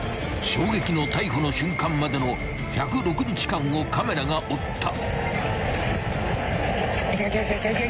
［衝撃の逮捕の瞬間までの１０６日間をカメラが追った］